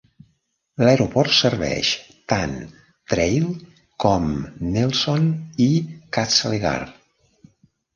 L'aeroport serveix tant Trail com Nelson i Castlegar.